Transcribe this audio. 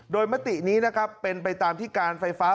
โดยมตินี้นะครับเป็นไปตามที่การไฟฟ้า